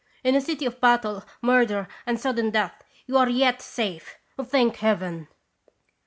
" In a city of battle, murder, and sudden death, you are yet safe, thank Heaven